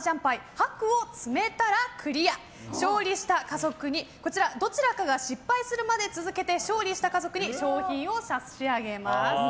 白を積めたらどちらかが失敗するまで続けて勝利した家族に商品を差し上げます。